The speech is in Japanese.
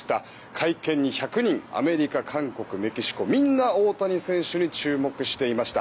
会見に１００人アメリカ、韓国、メキシコみんな大谷選手に注目していました。